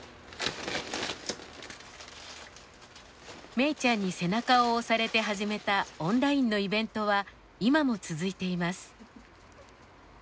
めいちゃんに背中を押されて始めたオンラインのイベントは今も続いています。